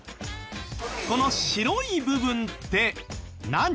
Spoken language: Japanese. この白い部分って何？